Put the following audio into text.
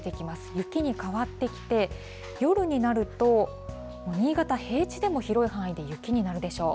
雪に変わってきて、夜になると新潟、平地でも広い範囲で雪になるでしょう。